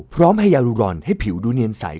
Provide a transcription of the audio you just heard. พร้อมให้ยารูรอนให้ผิวดูเนียนใส